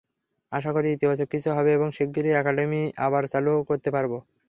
আশা করি ইতিবাচক কিছু হবে এবং শিগগিরই একাডেমি আবার চালু করতে পারব।